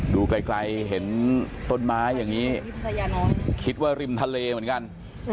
ดูไกลเห็นต้นไม้อย่างนี้คิดว่าริมทะเลเหมือนกัน